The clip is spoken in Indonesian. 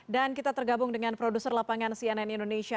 dan kita tergabung dengan produser lapangan cnn indonesia